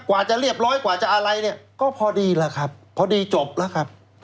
กว่าจะเรียบร้อยกว่าจะอะไรเนี่ยก็พอดีแล้วครับพอดีจบแล้วครับ